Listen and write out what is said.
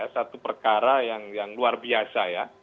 satu perkara yang luar biasa ya